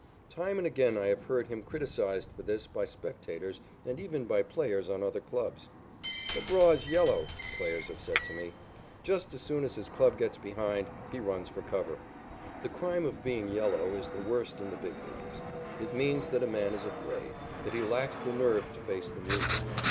Time and again I have heard him criticised for this by spectators and even by players on other clubs. "McGraw is 'yellow,'" players have said to me. "Just as soon as his club gets behind, he runs for cover." The crime of being "yellow" is the worst in the Big Leagues. It means that a man is afraid, that he lacks the nerve to face the music.